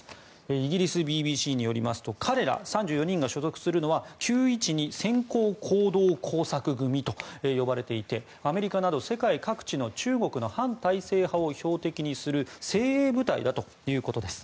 イギリスＢＢＣによりますと彼ら３４人が所属するのは９１２専項行動工作組と呼ばれていてアメリカなど世界各地の中国の反体制派を標的にする精鋭部隊だということです。